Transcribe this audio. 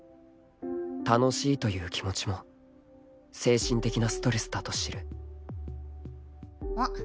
楽しいという気持ちも精神的なストレスだと知るおっ。